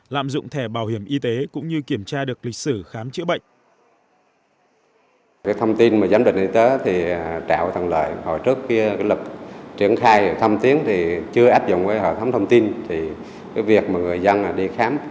lạm dụng thẻ bảo hiểm y tế cũng như kiểm tra được lịch sử khám chữa bệnh